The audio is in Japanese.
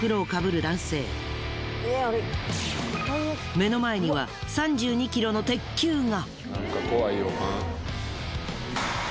目の前には３２ｋｇの鉄球が。